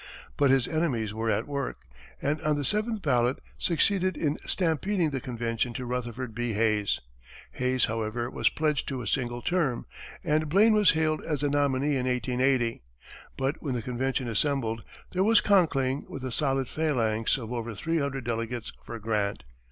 But his enemies were at work, and on the seventh ballot, succeeded in stampeding the convention to Rutherford B. Hayes. Hayes, however, was pledged to a single term, and Blaine was hailed as the nominee in 1880; but when the convention assembled, there was Conkling with a solid phalanx of over three hundred delegates for Grant.